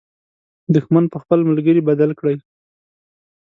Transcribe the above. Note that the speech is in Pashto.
دښمن په خپل ملګري بدل کړئ.